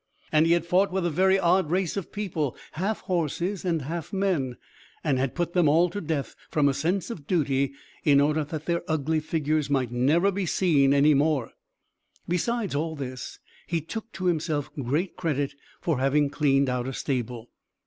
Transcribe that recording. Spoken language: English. And he had fought with a very odd race of people, half horses and half men, and had put them all to death, from a sense of duty, in order that their ugly figures might never be seen any more. Besides all this, he took to himself great credit for having cleaned out a stable.